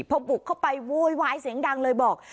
พอบุกเข้าไปโวยวายเสียงดังเลยบอก